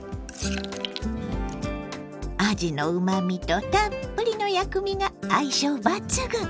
あじのうまみとたっぷりの薬味が相性抜群！